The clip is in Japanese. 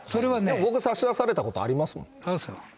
僕は差し出されたことありますもん。